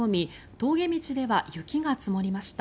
峠道では雪が積もりました。